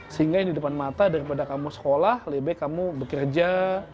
sehingga yang di depan mata daripada kamu sekolah lebih baik kamu bekerja